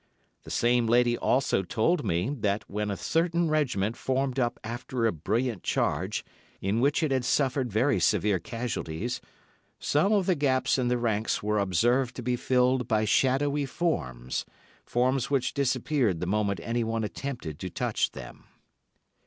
The same lady also told me that when a certain regiment formed up after a brilliant charge, in which it had suffered very severe casualties, some of the gaps in the ranks were observed to be filled by shadowy forms—forms which disappeared the moment anyone attempted to touch them.